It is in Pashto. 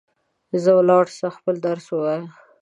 ځه ولاړ سه ، خپل درس ووایه